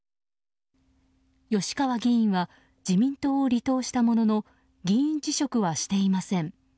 吉川議員は自民党を離党したものの議員辞職はしていません。